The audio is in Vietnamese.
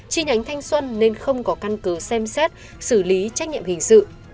chi nhánh thanh xuân nên không có căn cứ xem xét xử lý trách nhiệm hình sự